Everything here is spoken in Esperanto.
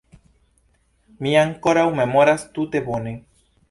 Mi ankoraŭ memoras tute bone.